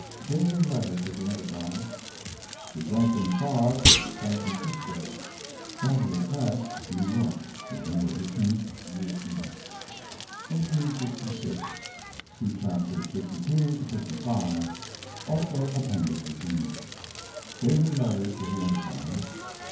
Daily letter to the Enterprise. THE JUMPING FROG (San Francisco) Saturday Press. New York, November 18. U. E. 1866. (See Chapters lii to lv; also Appendix D.) Daily letter to the Enterprise.